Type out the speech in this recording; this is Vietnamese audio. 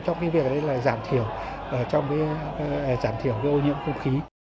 trách nhiệm trong việc giảm thiểu ô nhiễm không khí